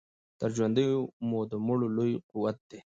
تر ژوندیو مو د مړو لوی قوت دی